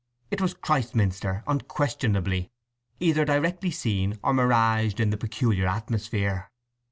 It was Christminster, unquestionably; either directly seen, or miraged in the peculiar atmosphere.